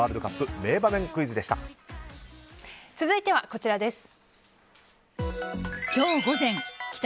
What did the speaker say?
続いてはこちらです。